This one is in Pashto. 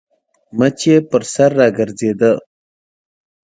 مچ يې پر سر راګرځېده.